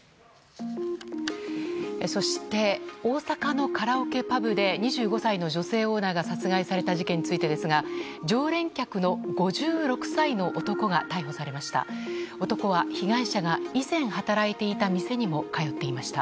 そして、大阪のカラオケパブで２５歳の女性オーナーが殺害された事件についてですが常連客の５６歳の男が逮捕されました。